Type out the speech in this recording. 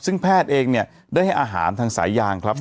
ซึ่งแพทย์เองเนี่ยได้ให้อาหารทางสายยางครับ